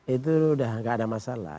itu sudah tidak ada masalah